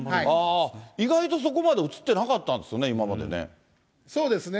意外とそこまで映ってなかったんそうですね。